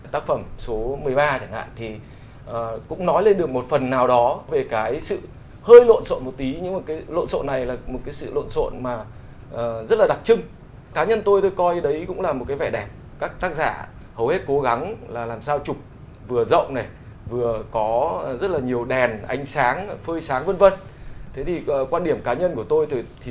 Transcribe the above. tác phẩm số hai mươi bảy đô thị mới hồ nam của tác giả vũ bảo ngọc hà nội